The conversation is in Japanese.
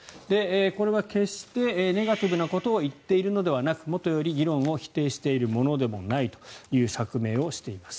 これは決してネガティブなことを言っているのではなくもとより議論を否定しているものではないという釈明をしています。